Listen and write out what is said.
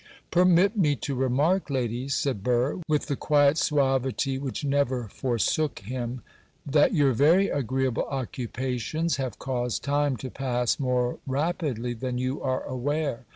'Permit me to remark, ladies,' said Burr, with the quiet suavity which never forsook him, 'that your very agreeable occupations have caused time to pass more rapidly than you are aware.